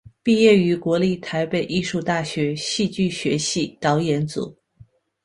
毕业于国立台北艺术大学戏剧学系导演组。